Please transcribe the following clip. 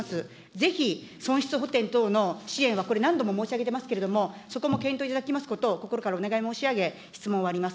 ぜひ、損失補填等の支援はこれ、何度も申し上げてますけれども、そこも検討いただきますことを、心からお願い申し上げ、質問を終わります。